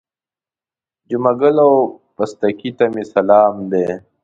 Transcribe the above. جمعه ګل او پستکي ته مې سلام دی.